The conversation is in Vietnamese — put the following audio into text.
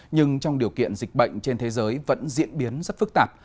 nhưng trong điều kiện dịch bệnh trên thế giới vẫn diễn biến rất phức tạp